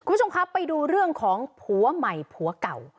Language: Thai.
คุณผู้ชมครับไปดูเรื่องของผัวใหม่ผัวเก่า